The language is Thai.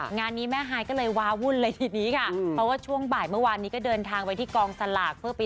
งานนี้แม่ไฮก็เลยว้าวุ้นเลยทีนี้ค่ะ